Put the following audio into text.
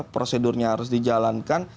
prosedurnya harus dijalankan